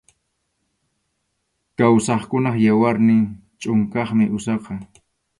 Kawsaqkunap yawarnin chʼunqaqmi usaqa.